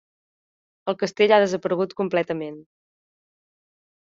El castell ha desaparegut completament.